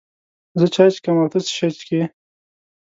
زه چای چکم، او ته څه شی چیکې؟